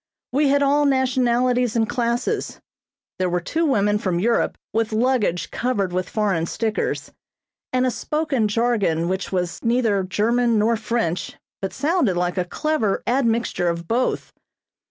We had all nationalities and classes. There were two women from Europe with luggage covered with foreign stickers, and a spoken jargon which was neither German nor French, but sounded like a clever admixture of both.